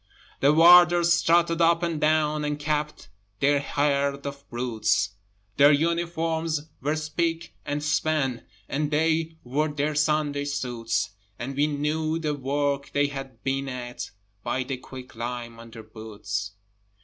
The Warders strutted up and down, And kept their herd of brutes, Their uniforms were spick and span, And they wore their Sunday suits, But we knew the work they had been at By the quicklime on their boots.